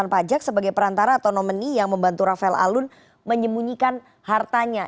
konsultan pajak sebagai perantara atau nominee yang membantu rafael alun menyemunyikan hartanya